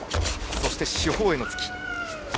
そして、四方への突き。